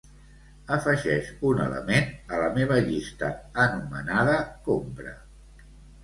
Afegeix un element a la meva llista anomenada "compra".